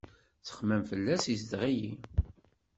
Ttaxmam fell-as izdeɣ-iyi.